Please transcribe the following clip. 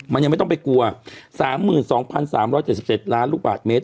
มันยังไม่ต้องไปกลัว๓๒๓๗๗ล้านลูกบาทเมตร